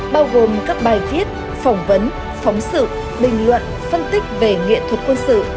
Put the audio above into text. bao gồm các bài viết phỏng vấn phóng sự bình luận phân tích về nghệ thuật quân sự